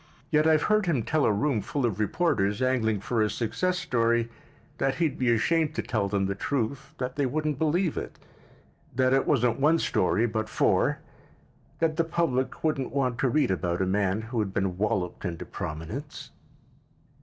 Yet I've heard him tell a room full of reporters angling for a "success" story that he'd be ashamed to tell them the truth that they wouldn't believe it, that it wasn't one story but four, that the public would not want to read about a man who had been walloped into prominence.